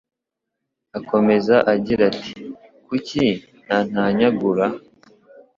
akomeza agira ati Kuki nantanyagura